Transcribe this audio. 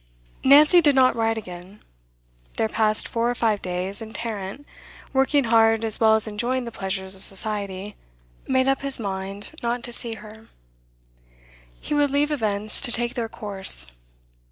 Nancy did not write again. There passed four or five days, and Tarrant, working hard as well as enjoying the pleasures of Society, made up his mind not to see her. He would leave events to take their course.